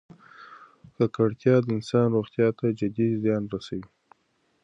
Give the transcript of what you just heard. ککړتیا د انسان روغتیا ته جدي زیان رسوي.